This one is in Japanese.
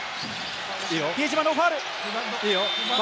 比江島のファウル。